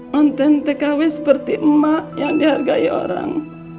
mantan tkw seperti emak yang dihargai orang